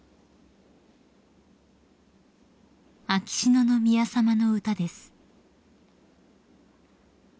［秋篠宮さまの歌です］